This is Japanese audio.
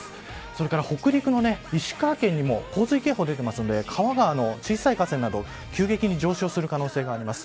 それから北陸の石川県にも洪水警報、出ているので小さい河川など急激に上昇する可能性があります。